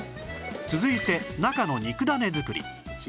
続いて中の肉だね作り